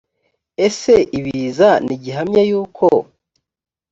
ese ibiza ni gihamya y uko